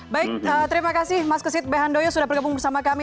baik terima kasih mas kesit behandoyo sudah bergabung bersama kami